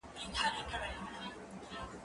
مېوې د مور له خوا وچول کيږي.